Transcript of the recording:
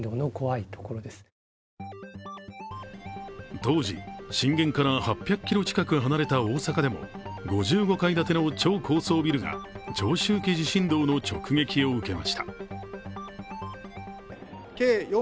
当時、震源から８００ｋｍ近く離れた大阪でも５５階建ての超高層ビルが長周期地震動の直撃を受けました。